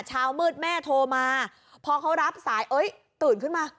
เช้ามืดแม่โทรมาพอเขารับสายเอ้ยตื่นขึ้นมา